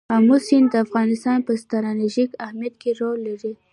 آمو سیند د افغانستان په ستراتیژیک اهمیت کې رول لري.